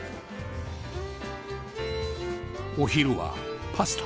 お昼はパスタ